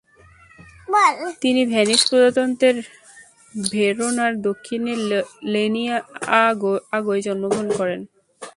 তিনি ভেনিস প্রজাতন্ত্রের ভেরোনার দক্ষিণের লেনিয়াগোয় জন্মগ্রহণ করেন।